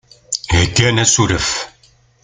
Heggan asuref.